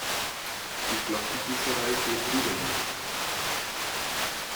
Die Glockengießerei Gebr.